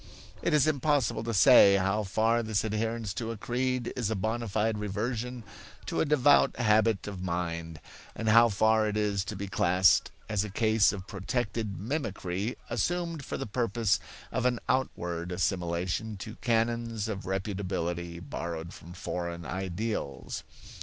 It is impossible to say how far this adherence to a creed is a bona fide reversion to a devout habit of mind, and how far it is to be classed as a case of protective mimicry assumed for the purpose of an outward assimilation to canons of reputability borrowed from foreign ideals.